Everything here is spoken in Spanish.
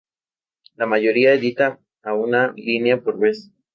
La mayoría edita de a una línea por vez.